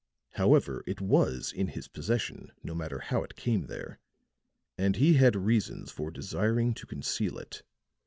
"However, it was in his possession, no matter how it came there; and he had reasons for desiring to conceal it.